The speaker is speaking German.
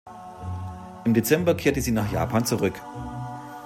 Im Dezember kehrte sie nach Japan zurück.